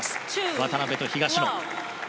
渡辺と東野。